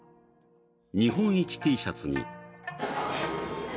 日本一Ｔシャツに。